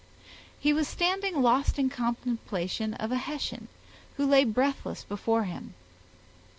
He was standing, lost in the contemplation of a Hessian, who lay breathless before him.